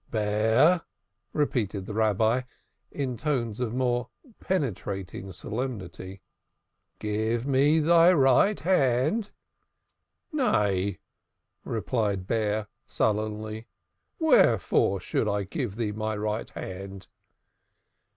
"Bear," repeated the Rabbi, in tones of more penetrating solemnity, "give me thy right hand." "Nay," replied Bear, sullenly. "Wherefore should I give thee my right hand?"